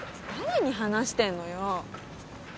誰に話してんのよ。